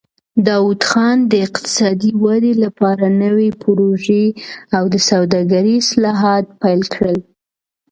داوود خان د اقتصادي ودې لپاره نوې پروژې او د سوداګرۍ اصلاحات پیل کړل.